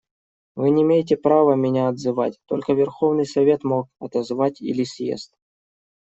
Вы не имеете права меня отзывать, только Верховный Совет мог отозвать, или съезд.